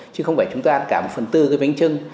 chứ không phải chúng ta ăn cả một phần tư cái bánh trưng